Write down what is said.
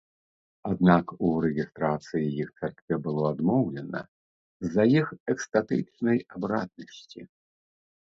Аднак у рэгістрацыі іх царкве было адмоўлена з-за іх экстатычнай абраднасці.